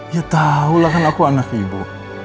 ya tau lah kan aku anak ibu